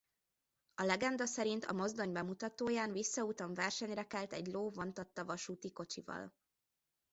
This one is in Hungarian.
A legenda szerint a mozdony bemutatóján visszaúton versenyre kelt egy ló vontatta vasúti kocsival.